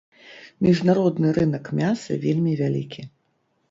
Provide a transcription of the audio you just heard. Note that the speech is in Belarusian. Міжнародны рынак мяса вельмі вялікі.